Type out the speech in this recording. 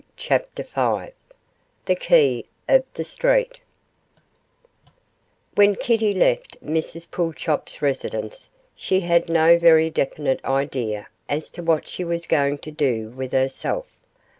CHAPTER V THE KEY OF THE STREET When Kitty left Mrs Pulchop's residence she had no very definite idea as to what she was going to do with herself.